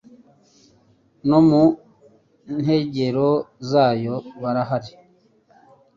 no mu nkengero zayo barahari